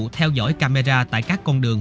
theo dõi camera tại các con đường